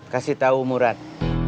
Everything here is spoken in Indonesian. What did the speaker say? kasih tahu murad